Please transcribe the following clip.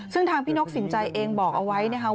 ซึ่งทางพี่นกสินใจเองบอกเอาไว้นะครับ